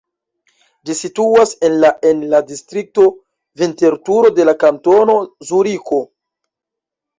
Ĝi situas en la en la distrikto Vinterturo de la Kantono Zuriko.